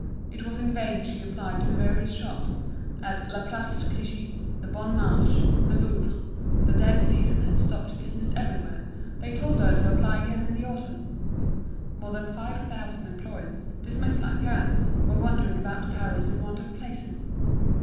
It was in vain she applied to the various shops, at La Place Clichy, the Bon Marché, the Louvre: the dead season had stopped business everywhere, they told her to apply again in the autumn, more than five thousand employees, dismissed like her, were wandering about Paris in want of places.